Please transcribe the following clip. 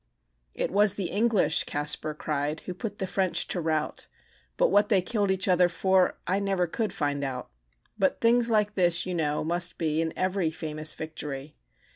"It was the English," Kaspar cried, "Who put the French to rout; But what they killed each other for, I never could find out; But things like this, you know, must be In every famous victory.